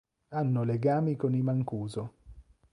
Hanno legami con i Mancuso.